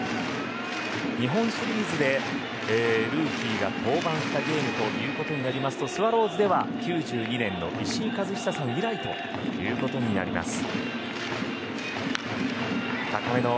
日本シリーズでルーキーが登板したゲームということになりますとスワローズでは９２年の石井一久さん以来となります。